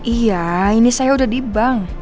iya ini saya udah dibang